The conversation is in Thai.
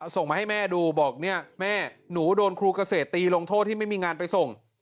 ส่งมาให้แม่ดูบอกเนี่ยแม่หนูโดนครูเกษตรตีลงโทษที่ไม่มีงานไปส่ง